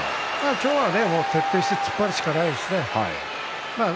今日は徹底して突っ張るしかないですね。